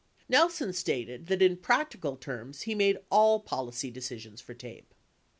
13 Nelson stated that in practical terms he made all policy decisions for TAPE.